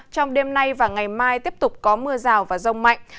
trong đêm nay và ngày mai tiếp tục có mưa rào và rông mạnh